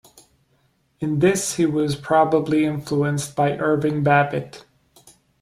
In this he was probably influenced by Irving Babbitt.